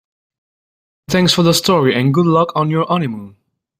Thanks for the story and good luck on your honeymoon.